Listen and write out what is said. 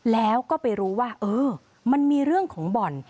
แล้วก็ไปรู้ว่าเออมันมีเรื่องของบ่อน